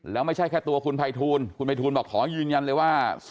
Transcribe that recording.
แล้วไม่ใช่แค่ตัวคุณภัยทูลคุณภัยทูลบอกขอยืนยันเลยว่า